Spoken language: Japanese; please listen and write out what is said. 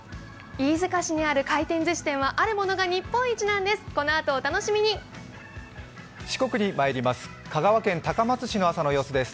飯塚市にある回転寿司店はあるものが日本一なんです。